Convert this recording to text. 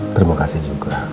terima kasih juga